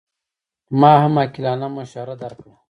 ما هم عاقلانه مشوره درکړه.